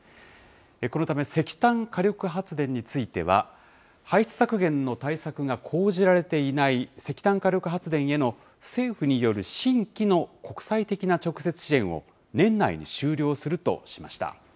このため石炭火力発電については、排出削減の対策が講じられていない石炭火力発電への政府による新規の国際的な直接支援を、年内に終了するとしました。